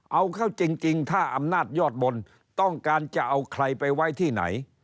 เอาเข้าจริงถ้าอำนาจยอดบนต้องการจะเอาใครไปไว้ที่ไหน